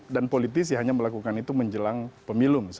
dan politisi hanya melakukan itu menjelang pemilu misalnya